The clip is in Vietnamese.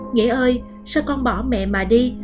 nghĩa ơi sao con bỏ mẹ mà đi